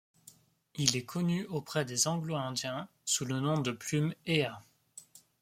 Il est connu auprès des Anglo-Indiens sous le nom de plume Eha.